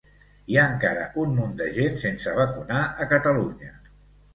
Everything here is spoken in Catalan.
Hi ha encara una munt de gent sense vacunar a Catalunya